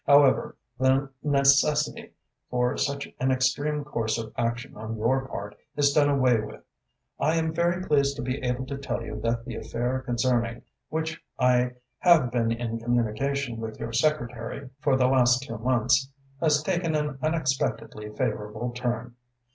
However, the necessity for such an extreme course of action on your part is done away with. I am very pleased to be able to tell you that the affair concerning which I have been in communication with your secretary for the last two months has taken an unexpectedly favourable turn."